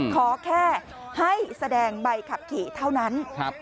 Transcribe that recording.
ขอแค่ให้แสดงใบขับขี่เท่านั้น